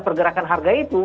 pergerakan harga itu